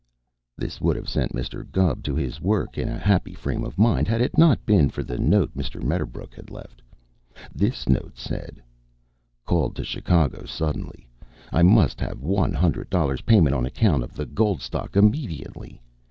This would have sent Mr. Gubb to his work in a happy frame of mind, had it not been for the note Mr. Medderbrook had left. This note said: Called to Chicago suddenly. I must have one hundred dollars payment on account of the gold stock immediately.